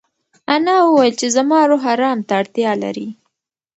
انا وویل چې زما روح ارام ته اړتیا لري.